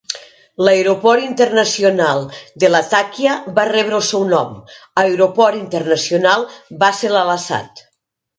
L'aeroport internacional de Latakia va rebre el seu nom, Aeroport Internacional Bassel Al-Àssad.